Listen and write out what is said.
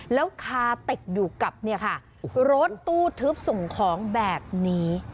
แล้วคาติดอยู่กับรถตู้ทึบส่งของแบบนี้